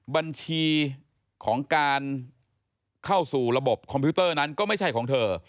บัญชีของการเข้าสู่ระบบคอมพิวเตอร์นั้นก็ไม่ใช่ของเธอ